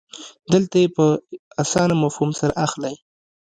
دلته یې په اسانه مفهوم سره اخلئ.